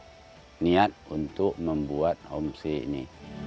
dari situlah mulainya niat untuk membuat homestay ini